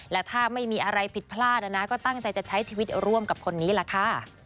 และถ้าไม่มีอะไรผิดพลาดนะก็ตั้งใจจะใช้ชีวิตร่วมกับคนนี้แหละค่ะ